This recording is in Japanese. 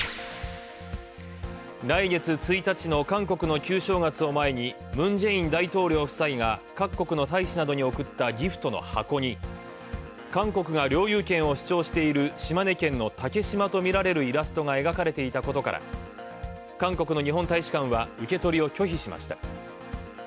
来月１日の韓国の旧正月を前にムン・ジェイン大統領夫妻が各国の大使などに贈ったギフトの箱に韓国が領有権を主張している島根県の竹島とみられるイラストが描かれていたことから、韓国の日本大使館は受け取りを拒否しました。